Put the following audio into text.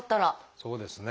そうですね。